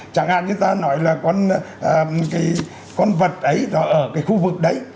chẳng hạn người ta nói là con vật ấy nó ở cái khu vực đấy